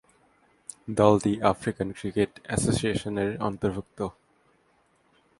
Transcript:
দলটি African cricket অ্যাসোসিয়েশনের অন্তর্ভুক্ত।